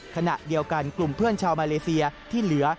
ขณะเดียวกันกลุ่มเพื่อนชาวมาเลเซียที่เหลือ